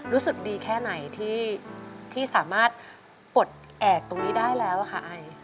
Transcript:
รู้สึกดีแค่ไหนที่สามารถปลดแอบตรงนี้ได้แล้วค่ะไอ